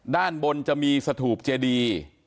ด้านบนจะมีสถูปเจดี